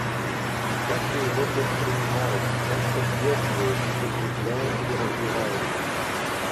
Как же его тут принимают, как поддерживают, укрепляют и развивают?